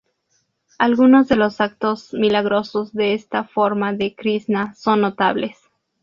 Algunos de los actos milagrosos de esta forma de Krisná son notables.